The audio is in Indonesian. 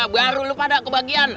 baru lo pada kebagian